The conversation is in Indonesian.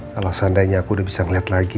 kalau seandainya aku udah bisa ngeliat lagi